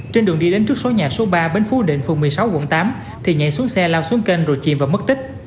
trên đường đi đến trước số nhà số ba bến phú định phường một mươi sáu quận tám thì nhảy xuống xe lao xuống kênh rồi chìm và mất tích